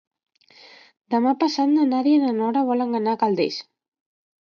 Demà passat na Nàdia i na Nora volen anar a Calders.